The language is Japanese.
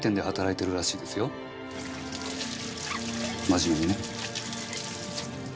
真面目にね。